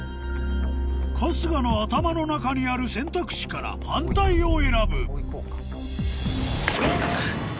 春日の頭の中にある選択肢から反対を選ぶＬＯＣＫ！